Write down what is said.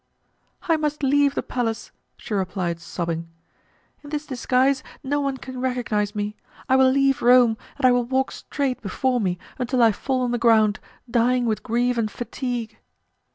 "I must leave the palace," she replied, sobbing. "In this disguise no one can recognize me; I will leave Rome, and I will walk straight before me until I fall on the ground, dying with grief and fatigue."